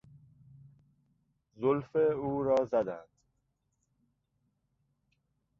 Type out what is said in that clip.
زلف او را زدند.